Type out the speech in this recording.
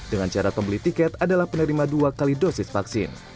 dengan cara pembeli tiket adalah penerima dua kali dosis vaksin